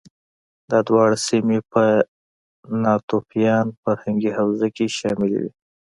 دا دواړه سیمې په ناتوفیان فرهنګي حوزه کې شاملې وې